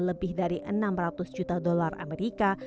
lebih dari enam ratus juta dolar amerika